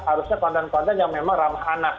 harusnya konten konten yang memang ramah anak